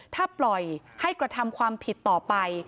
ถ้าปล่อยให้กระทำความผิดต่อไป